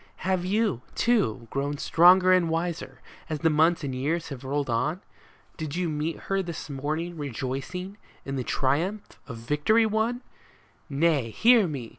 Have you, too, grown stronger and wiser, as the months and the years have rolled on ? Did you meet her this morning rejoicing in the triumph of victory won ? Nay, hear me